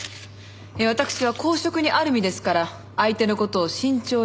わたくしは公職にある身ですから相手の事を慎重に調べました。